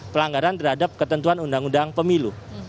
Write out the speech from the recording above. pelanggaran terhadap ketentuan undang undang pemilu